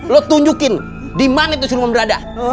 lo tunjukin dimana itu si luma berada